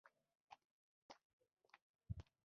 عمده ځانګړنه یې مرموزوالی دی.